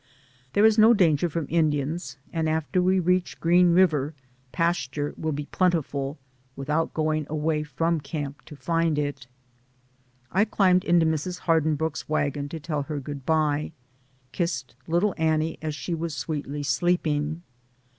There is no danger from Indians, and after we reach Green River pasture will be plentiful, without go ing away from camp to find it. DAYS ON THE ROAD. 201 I climbed into Mrs. Hardinbrooke's wagon to tell her good bye, kissed little An nie as she was sweetly sleeping.